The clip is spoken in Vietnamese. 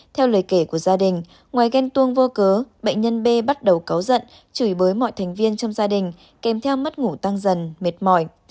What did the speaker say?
theo lời kể của gia đình ngoài ghen tuông vô cớ bệnh nhân b bắt đầu kéo giận chửi bới mọi thành viên trong gia đình kèm theo mất ngủ tăng dần mệt mỏi